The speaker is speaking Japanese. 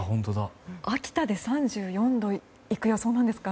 秋田で３４度いく予想なんですか。